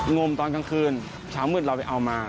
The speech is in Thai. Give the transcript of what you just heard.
งมตอนกลางคืนเช้ามืดเราไปเอามา